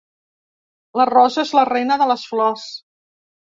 La rosa és la reina de les flors.